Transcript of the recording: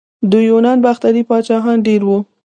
د یونانو باختري پاچاهان ډیر وو